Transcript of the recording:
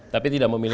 tapi tidak memilih